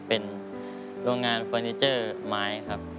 เป็นโรงงานเฟอร์นิเจอร์ไม้ครับ